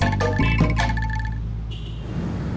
siapa tau masih bisa dapat satu dompet